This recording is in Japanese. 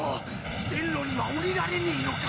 線路には降りられねえのか。